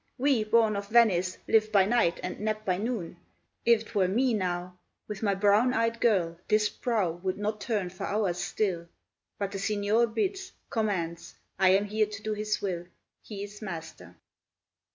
We, born of Venice, Live by night and nap by noon. If 'twere me, now, With my brown eyed girl, this prow Would not turn for hours still; But the Signor bids, commands, I am here to do his will, He is master.